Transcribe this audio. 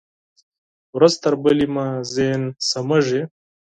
ورځ تر بلې مې ذهن سمېږي.